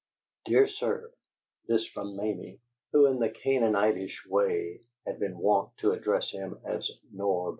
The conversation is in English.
"DEAR SIR." (This from Mamie, who, in the Canaanitish way, had been wont to address him as "Norb"!)